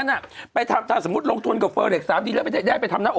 เฮ้ยบ้ามันเป็นเล่นเหรอ๑๐ล้านเถอะ